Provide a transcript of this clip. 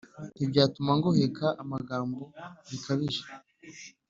Ntibyatuma ngoheka amagambo bikabije